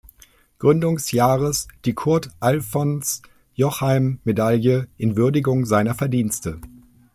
Gründungsjahres die Kurt-Alphons-Jochheim-Medaille in Würdigung seiner Verdienste.